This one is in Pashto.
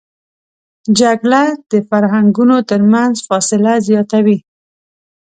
جګړه د فرهنګونو تر منځ فاصله زیاتوي